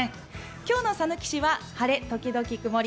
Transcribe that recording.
今日のさぬき市は晴れ時々曇り。